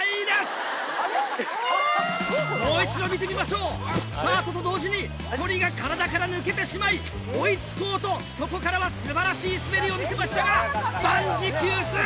もう一度見てみましょうスタートと同時にそりが体から抜けてしまい追いつこうとそこからは素晴らしい滑りを見せましたが万事休す！